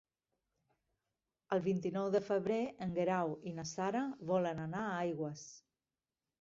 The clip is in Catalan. El vint-i-nou de febrer en Guerau i na Sara volen anar a Aigües.